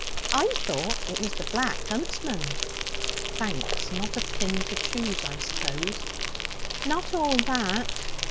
I thought it was the Black Huntsman.' 'Thanks. Not a pin to choose, I suppose.' 'Not all that.'